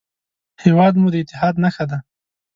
هېواد مو د اتحاد نښه ده